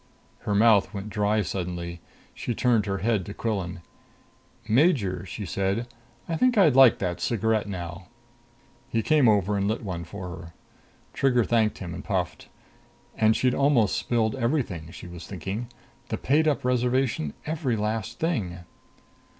Her mouth went dry suddenly. She turned her head to Quillan. "Major," she said, "I think I'd like that cigarette now." He came over and lit one for her. Trigger thanked him and puffed. And she'd almost spilled everything, she was thinking. The paid up reservation. Every last thing.